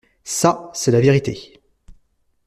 Ça, c’est la vérité.